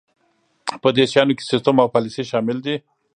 په دې شیانو کې سیستم او پالیسي شامل دي.